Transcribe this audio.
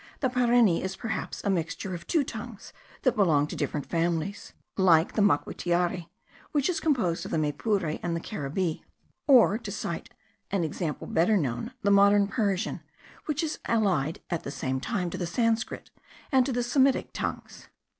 The Pareni is perhaps a mixture of two tongues that belong to different families; like the Maquiritari, which is composed of the Maypure and the Caribbee; or, to cite an example better known, the modern Persian, which is allied at the same time to the Sanscrit and to the Semitic tongues.